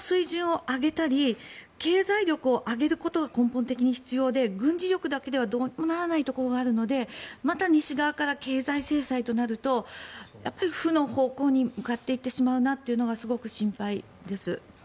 でもその過程でテロを排除するって教育の水準を上げたり経済力を上げることが根本的に必要で、軍事力だけではどうにもならないのでまた西側から経済制裁となると負の方向に向かっていってしまうなというのがすごい心配です。